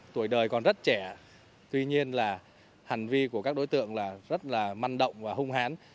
tuổi đời còn rất trẻ tuy nhiên là hành vi của các đối tượng là rất là măn động và hung hán